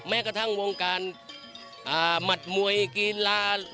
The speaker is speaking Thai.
แม้กระทั่งวงการหมัดมวยกีฬาหลูกทุ่งอะไรพวกนี้